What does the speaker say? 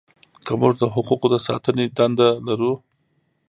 که موږ د حقوقو د ساتنې دنده لرو.